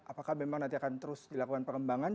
apakah memang nanti akan terus dilakukan pengembangan